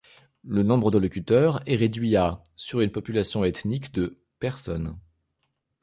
Le nombre de locuteurs est réduit à sur une population ethnique de personnes.